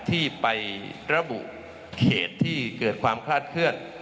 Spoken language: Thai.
ที่ไประบุเขตที่เกิดความคลาดเคลื่อน